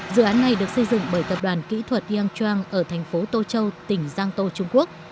dự án này được xây dựng bởi tập đoàn kỹ thuật yangchuan ở thành phố tô châu tỉnh giang tô trung quốc